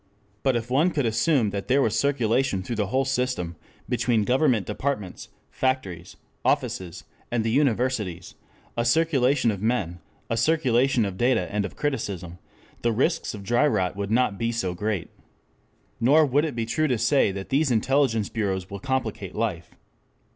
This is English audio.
But if one could assume that there was circulation through the whole system between government departments, factories, offices, and the universities; a circulation of men, a circulation of data and of criticism, the risks of dry rot would not be so great. Nor would it be true to say that these intelligence bureaus will complicate life.